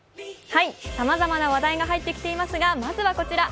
さまざまな話題が入ってきていますがまずはこちら。